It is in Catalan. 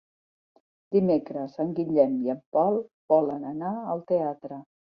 Dimecres en Guillem i en Pol volen anar al teatre.